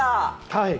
はい。